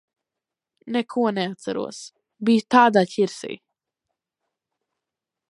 Neko neatceros. Biju tādā ķirsī.